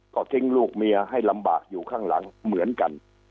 ก็ทิ้งลูกเมียให้ลำบากอยู่ข้างหลังเหมือนกัน